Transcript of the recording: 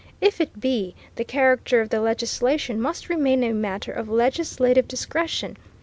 If it be, the character of the legislation must remain a matter of legislative discretion.